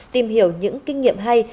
tìm hiểu những kinh nghiệm hay